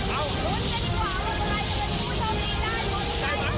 สายสักอย่าง